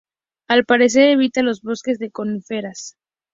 Al parecer evita los bosques de coníferas.